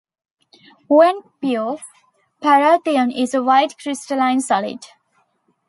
When pure, parathion is a white crystalline solid.